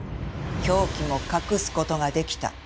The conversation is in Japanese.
凶器も隠す事ができた。